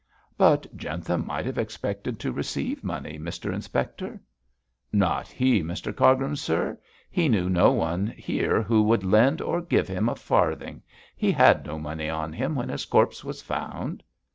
'But Jentham might have expected to receive money, Mr Inspector?' 'Not he, Mr Cargrim, sir. He knew no one here who would lend or give him a farthing. He had no money on him when his corpse was found!'